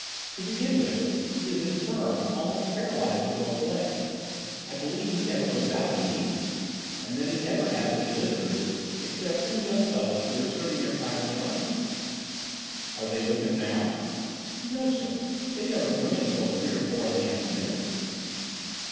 To begin with, he is infirm, almost paralysed in both legs. I believe he never goes out of an evening. And then he never has any visitors except two young fellows who are serving their time in the army." "Are they with him now?" "No, sir, they never come till three or four in the afternoon."